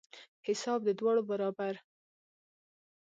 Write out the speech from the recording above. حساب د دواړو برابر.